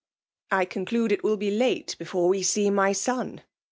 V^^I eicnrclttde it will be late before we see my sov?'